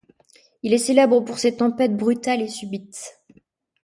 Il est célèbre pour ses tempêtes brutales et subites.